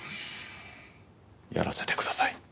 やらせてください。